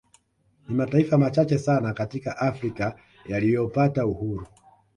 Ni mataifa machache sana katika Afrika yaliyopata uhuru